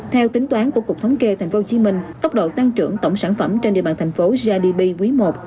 theo tính toán của cục thống kê tp hcm tốc độ tăng trưởng tổng sản phẩm trên địa bàn thành phố gdp quý i